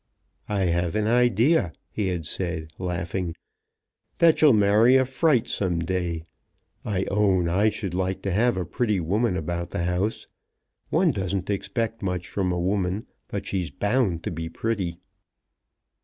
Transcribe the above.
"I have an idea," he had said, laughing, "that you'll marry a fright some day. I own I should like to have a pretty woman about the house. One doesn't expect much from a woman, but she is bound to be pretty."